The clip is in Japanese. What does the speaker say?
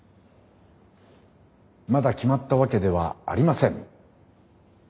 まだ決まったわけではありません。